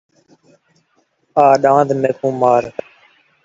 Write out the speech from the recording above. تھولا کھٹے برکت ڈھیر